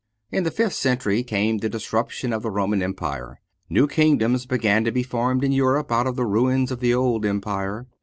In the fifth century came the disruption of the Roman Empire. New kingdoms began to be formed in Europe out of the ruins of the old empire.